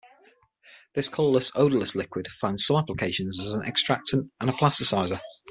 This colourless, odorless liquid finds some applications as an extractant and a plasticizer.